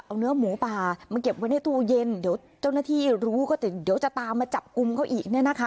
เอาเนื้อหมูป่ามาเก็บไว้ในตู้เย็นเดี๋ยวเจ้าหน้าที่รู้ก็เดี๋ยวจะตามมาจับกลุ่มเขาอีกเนี่ยนะคะ